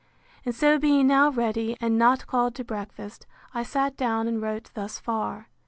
And so being now ready, and not called to breakfast, I sat down and wrote thus far.